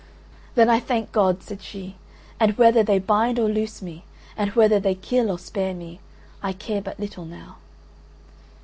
"Then I thank God," said she, "and whether they bind or loose me, and whether they kill or spare me, I care but little now."